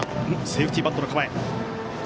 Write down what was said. セーフティーバントの構え。